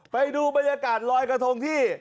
ไปดูบรรยากาศลอยกระทงที่